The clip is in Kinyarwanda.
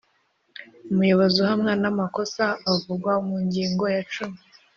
umuyobozi uhamwa n amakosa avugwa mu ngingo ya cumi